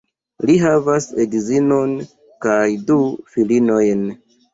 Li havas edzinon kaj du filinojn.